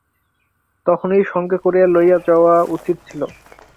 তখনই সঙ্গে করিয়া লইয়া যাওয়া উচিত ছিল।